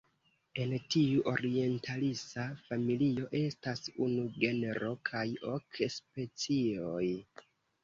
En tiu orientalisa familio estas unu genro kaj ok specioj.